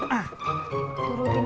dulur dulur bang arun